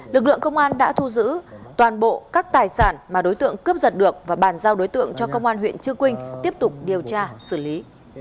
lực lượng công an đã thu giữ toàn bộ các tài sản mà đối tượng cướp giật được và bàn giao đối tượng cho công an huyện chư quynh tiếp tục điều tra xử lý